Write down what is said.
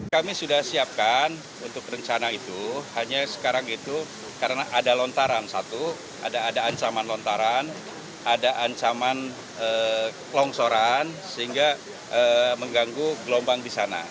kami sudah siapkan untuk rencana itu hanya sekarang itu karena ada lontaran satu ada ancaman lontaran ada ancaman kelongsoran sehingga mengganggu gelombang di sana